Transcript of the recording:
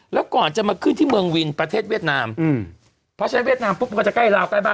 แล้วก่อนจะมาขึ้นที่เมืองวิงประเทศเวียดนามเพราะฉะนั้นเวียดนามปุ๊บก็จะใกล้เรา